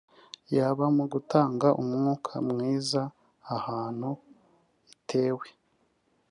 yaba mu gutanga umwuka mwiza ahantu itewe